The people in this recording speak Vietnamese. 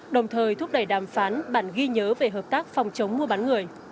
đồng thời thúc đẩy đàm phán bản ghi nhớ về hợp tác phòng chống mua bán người